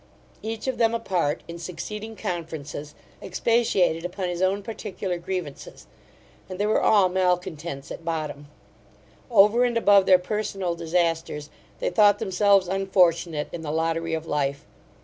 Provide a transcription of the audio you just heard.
Each of them apart, in succeeding conferences, expatiated upon his own particular grievances; and they were all malcontents at bottom Over and above their personal disasters, they thought themselves unfortunate in the lottery of life.